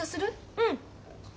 うん。